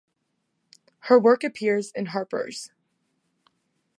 Her work appears in "Harpers".